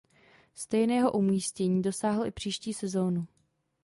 Stejného umístění dosáhl i příští sezónu.